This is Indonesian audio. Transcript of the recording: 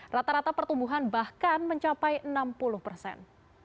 rata rata pertumbuhan bahkan mencapai enam puluh persen